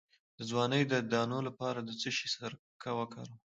د ځوانۍ د دانو لپاره د څه شي سرکه وکاروم؟